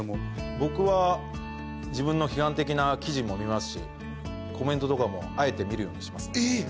僕は自分の批判的な記事も見ますしコメントとかもあえて見るようにしますね。